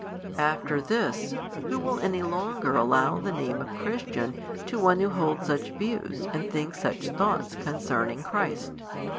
After this, who will any longer allow the name of Christian to one who holds such views and thinks such thoughts concerning Christ?